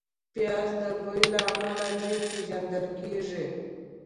پیاز د بوی له امله ډېر پېژندل کېږي